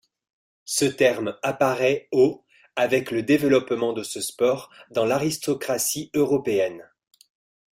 Ce terme apparaît au avec le développement de ce sport dans l'aristocratie européenne.